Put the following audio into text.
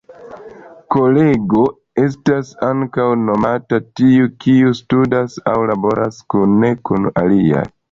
Kolego estas ankaŭ nomata tiu, kiu studas aŭ laboras kune kun aliaj.